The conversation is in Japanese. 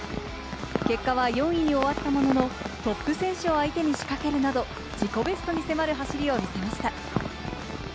結果は４位に終わったものの、トップ選手を相手に仕掛けるなど、自己ベストに迫る走りを見せました。